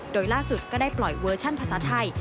โดยล่าสุดก็ได้ปล่อยเวอร์ชั่นภาษาไทย